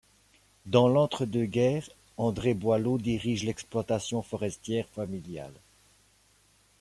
Dans l'entre-deux-guerres André Boileau dirige l'exploitation forestière familiale.